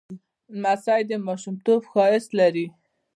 لمسی د ماشومتوب ښایست لري.